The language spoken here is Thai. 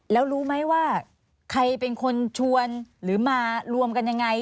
แล้วรู้ไหมว่าใครเป็นคนชวนหรือมารวมกันยังไง